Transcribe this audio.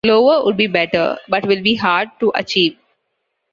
Lower would be better but will be hard to achieve.